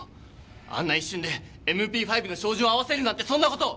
あんな一瞬でＭＰ５の照準を合わせるなんてそんな事！